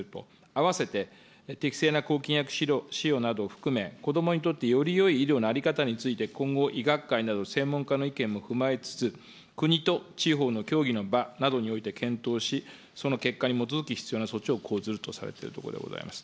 あわせて、適正な抗菌薬使用などを含め、子どもにとってよりよい医療の在り方について、今後、医学界など専門家の意見も踏まえつつ、国と地方の協議の場などにおいて検討をし、その結果に基づき、必要な措置を講ずるとされているところでございます。